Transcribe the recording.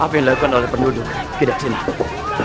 apa yang dilakukan oleh penduduk tidak senang